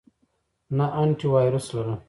نه، انټی وایرس لرم